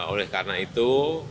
oleh karena itu